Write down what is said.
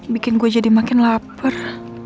bikin gue jadi makin lapar